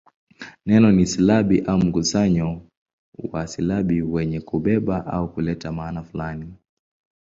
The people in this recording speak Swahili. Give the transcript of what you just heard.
Neno ni silabi au mkusanyo wa silabi wenye kubeba au kuleta maana fulani.